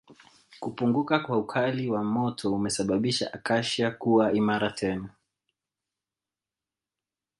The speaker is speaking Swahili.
kupunguka kwa ukali wa moto umesababisha Acacia kuwa imara tena